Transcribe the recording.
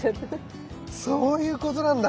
そういうことなんだ。